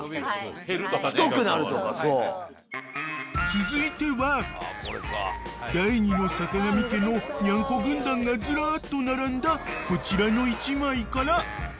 ［続いては第２のさかがみ家のニャンコ軍団がずらっと並んだこちらの１枚から］